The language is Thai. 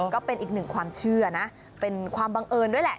ก็เป็นอีกหนึ่งความเชื่อนะเป็นความบังเอิญด้วยแหละ